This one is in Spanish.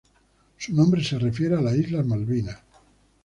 Su nombre se refiere a las Islas Malvinas.